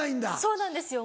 そうなんですよ